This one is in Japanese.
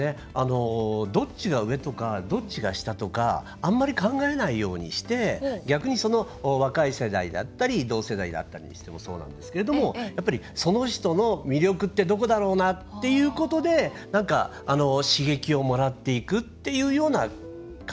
どっちが上とかどっちが下とかあんまり考えないようにして逆に若い世代だったり同世代だったりにしてもそうなんですけれどもやっぱり、その人の魅力ってどこだろうな？っていうことで刺激をもらっていくっていうような考え方ですね。